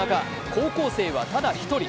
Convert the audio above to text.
高校生はただ１人。